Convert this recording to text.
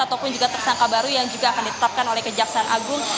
ataupun juga tersangka baru yang juga akan ditetapkan oleh kejaksaan agung